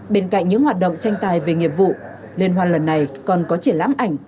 bên cạnh những hoạt động tranh tài về nghiệp vụ liên hoan lần này còn có triển lãm ảnh